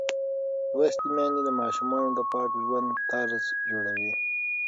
لوستې میندې د ماشومانو د پاک ژوند طرز جوړوي.